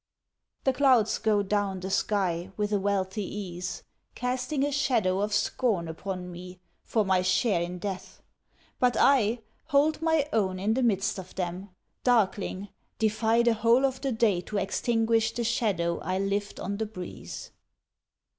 The clouds go down the sky with a wealthy ease Casting a shadow of scorn upon me for my share in death; but I Hold my own in the midst of them, darkling, defy The whole of the day to extinguish the shadow I lift on the breeze.